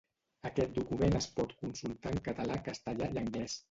Aquest document es pot consultar en català, castellà i anglès.